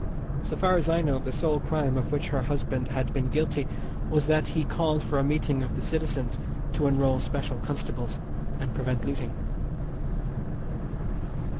So far as I know the sole crime of which her husband had been guilty was that he called for a meeting of the citizens to enrol special constables and prevent looting.